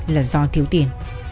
là do thiếu tiền